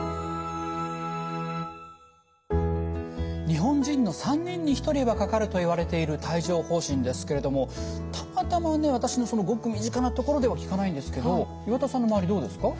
日本人の３人に１人はかかるといわれている帯状ほう疹ですけれどもたまたまね私のごく身近なところでは聞かないんですけど岩田さんの周りどうですか？